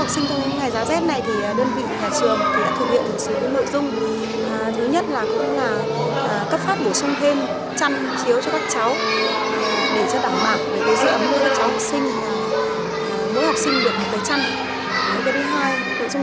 các pháp bổ sung thêm chăn khiếu cho các cháu để cho đảm bảo để giữ ấm nước cho học sinh